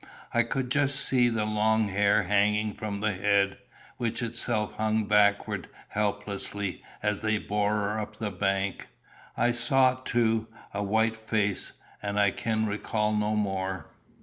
I could just see the long hair hanging from the head, which itself hung backward helplessly as they bore her up the bank. I saw, too, a white face, and I can recall no more.